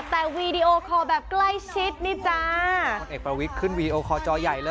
แต่วีดีโอคอลแบบใกล้ชิดนี่จ้า